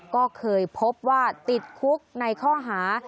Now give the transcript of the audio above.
ก็เคยพบว่าติดคุกในข้อหา